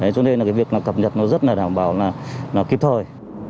cho nên việc cập nhật rất đảm bảo là kịp thời